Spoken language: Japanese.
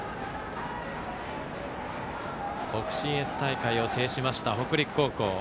北信越大会を制しました北陸高校。